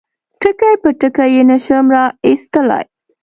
ټکي په ټکي یې نشم را اخیستلای.